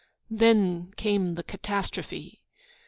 Then came the catastrophe!